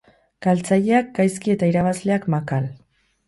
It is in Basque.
Galtzaileak gaizki eta irabazleak makal.